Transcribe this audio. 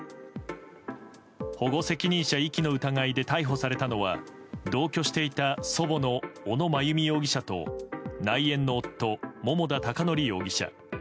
保護責任者遺棄の疑いで逮捕されたのは同居していた祖母の小野真由美容疑者と内縁の夫・桃田貴徳容疑者。